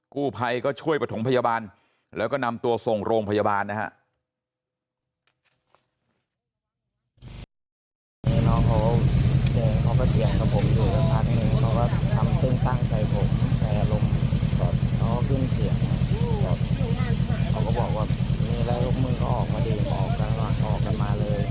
กู้ภัยก็ช่วยประถมพยาบาลแล้วก็นำตัวส่งโรงพยาบาลนะฮะ